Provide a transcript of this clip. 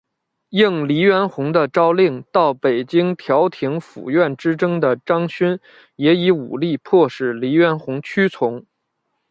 应黎元洪的召令到北京调停府院之争的张勋也以武力迫使黎元洪屈从。